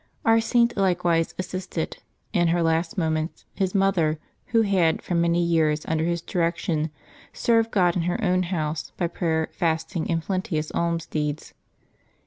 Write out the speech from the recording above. Our Saint likewise assisted, in her last moments, his mother, who had for many years, under his direction, served God in her own house, by prayer, fasting, and plenteous alms deeds.